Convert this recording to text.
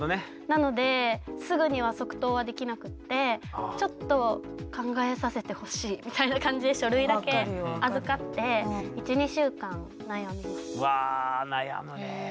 なのですぐには即答はできなくてちょっと考えさせてほしいみたいな感じで書類だけ預かってうわ悩むね。